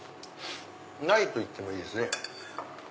ないと言ってもいいですね。